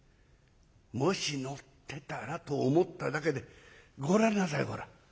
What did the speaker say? もし乗ってたらと思っただけでご覧なさいほら。